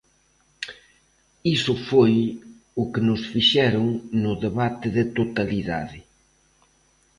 Iso foi o que nos fixeron no debate de totalidade.